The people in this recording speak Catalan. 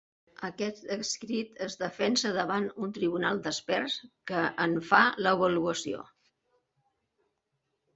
Aquest escrit es defensa davant un tribunal d'experts que en fa l'avaluació.